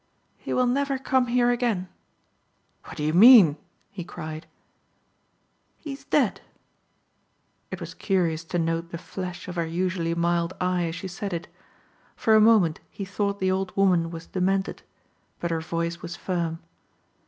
"He will never come here again." "What do you mean?" he cried. "He's dead." It was curious to note the flash of her usually mild eye as she said it. For a moment he thought the old woman was demented. But her voice was firm.